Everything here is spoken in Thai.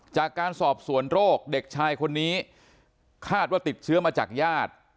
จากการสอบสวนโรคเด็กชายคนนี้คาดว่าติดเชื้อมาจากญาติ